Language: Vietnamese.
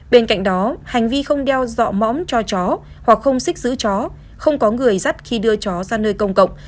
bên cạnh đó hành vi không đeo dọ mõm cho chó hoặc không xích giữ chó không có người dắt khi đưa chó ra nơi công cộng